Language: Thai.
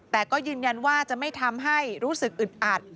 แต่ก็ยืนยันว่าจะไม่ทำให้รู้สึกอึดอัด